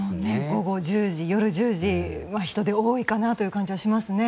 午後１０時は人出が多いかなという感じはしますね。